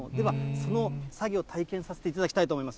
その作業を体験させていただきたいと思います。